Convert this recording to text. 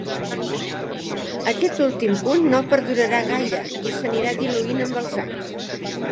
Aquest últim punt no perdurarà gaire i s'anirà diluint amb els anys